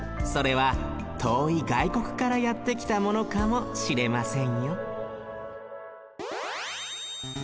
それはとおいがいこくからやってきたものかもしれませんよ